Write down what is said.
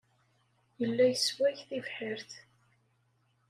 Yella yessway tibḥirt.